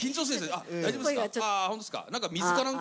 足大丈夫ですか？